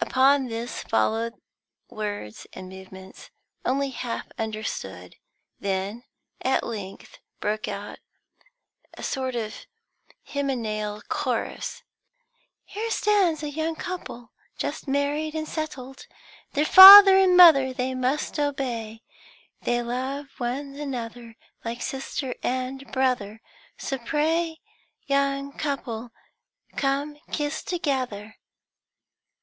Upon this followed words and movements only half understood; then at length broke out a sort of hymeneal chorus: "Here stands a young couple, Just married and settled: Their father and mother they must obey. They love one another like sister and brother. So pray, young couple, come kiss together!"